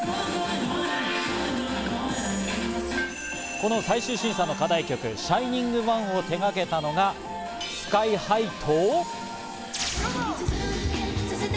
この最終審査の課題曲、『ＳｈｉｎｉｎｇＯｎｅ』を手がけたのが、ＳＫＹ−ＨＩと。